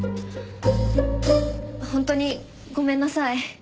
本当にごめんなさい。